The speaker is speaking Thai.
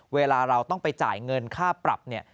เวลาเราต้องไปจ่ายเงินค่าปรับเนี่ย